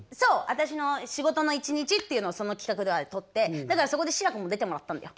私の仕事の１日っていうのをその企画では撮ってだからそこで志らくも出てもらったんだよ。